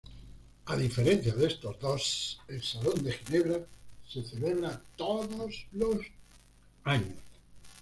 A diferencia de estos dos, el Salón de Ginebra se celebra todos los años.